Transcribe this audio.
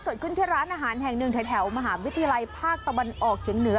เกิดขึ้นที่ร้านอาหารแห่งหนึ่งแถวมหาวิทยาลัยภาคตะวันออกเฉียงเหนือ